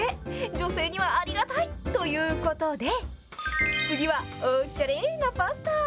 女性にはありがたいということで、次はおしゃれなパスタ。